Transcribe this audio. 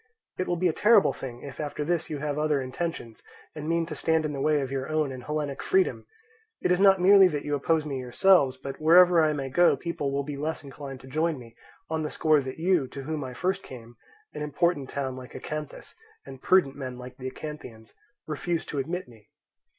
It will be a terrible thing if after this you have other intentions, and mean to stand in the way of your own and Hellenic freedom. It is not merely that you oppose me yourselves; but wherever I may go people will be less inclined to join me, on the score that you, to whom I first came—an important town like Acanthus, and prudent men like the Acanthians—refused to admit me.